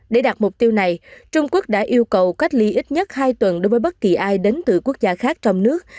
để đạt mục tiêu này trung quốc đã yêu cầu cách ly ít nhất hai tuần đối với bất kỳ ai đến từ quốc gia khác trong nước